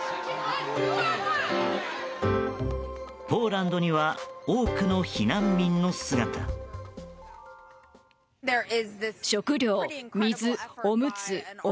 ポーランドには多くの避難民の姿が。